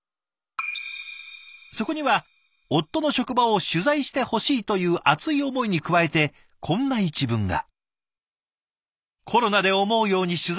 そこには夫の職場を取材してほしいという熱い思いに加えてこんな一文が。